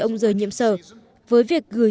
ông rời nhiệm sở với việc gửi